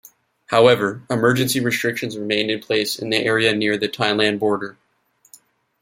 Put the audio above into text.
However, Emergency restrictions remained in place in the area near the Thailand border.